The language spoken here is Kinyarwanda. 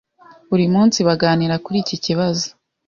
Buri munsi baganira kuri iki kibazo.